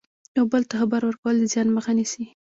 یو بل ته خبر ورکول د زیان مخه نیسي.